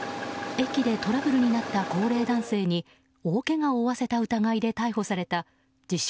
駅でトラブルになった高齢男性に大けがを負わせた疑いで逮捕された自称